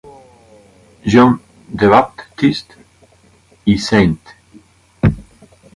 John the Baptist y St.